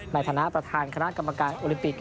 ในฐานะประธานคณะกรรมการโอลิมปิก